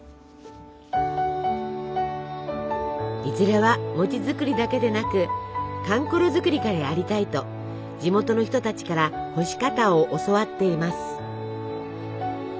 いずれは餅作りだけでなくかんころ作りからやりたいと地元の人たちから干し方を教わっています。